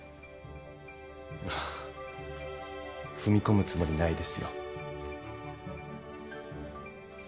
まあ踏み込むつもりないですよ。